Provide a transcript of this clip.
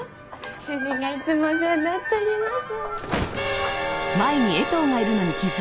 主人がいつもお世話になっております。